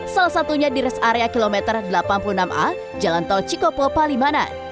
salah satunya di res area kilometer delapan puluh enam a jalan tol cikopo palimanan